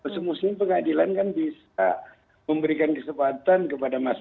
semestinya pengadilan kan bisa memberikan kesempatan kepada masyarakat